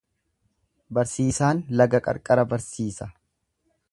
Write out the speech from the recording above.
Barsiisaan laga qarqara barsiisa.